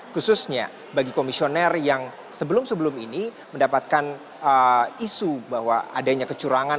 khususnya bagi komisioner yang sebelum sebelum ini mendapatkan isu bahwa adanya kecurangan